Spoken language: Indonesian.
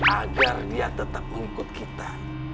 agar dia tetap mengikut kita